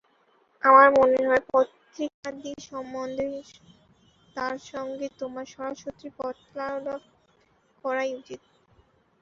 আমার মনে হয়, পত্রিকাদি সম্বন্ধে তাঁর সঙ্গে তোমার সরাসরি পত্রালাপ করাই উচিত।